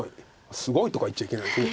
すごいとか言っちゃいけないですね。